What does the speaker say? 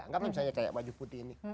anggap misalnya kayak wajah putih ini